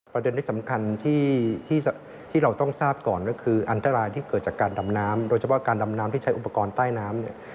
ประเด็นที่สำคัญที่เราต้องทราบก่อนก็คืออันตรายที่เกิดจากการดำน้ำโดยเฉพาะการดำน้ำที่ใช้อุปกรณ์ใต้น้ำเนี่ย